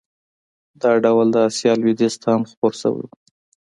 دا ډول د اسیا لوېدیځ ته هم خپور شوی و.